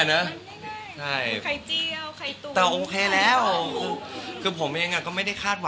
นั้นฉันดื่มฉันต้องทำกับข้าวละ